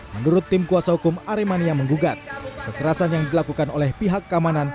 menurut tim kuasa hukum aremania menggugat kekerasan yang dilakukan oleh pihak keamanan